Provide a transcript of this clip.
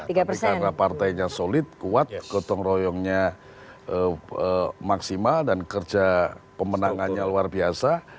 tapi karena partainya solid kuat gotong royongnya maksimal dan kerja pemenangannya luar biasa